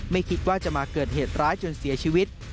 ไม่คิดว่าจะมาเกิดเหตุร้ายจนเสียชีวิต